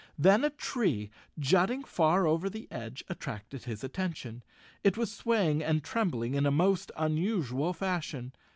Then a tree, jutting far over the edge, attracted his attention. It was swaying and trembling in a most unusual fashion.